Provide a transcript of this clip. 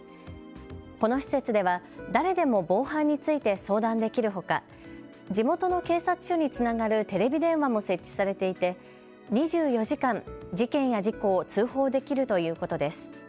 この施設では誰でも防犯について相談できるほか、地元の警察署につながるテレビ電話も設置されていて２４時間、事件や事故を通報できるということです。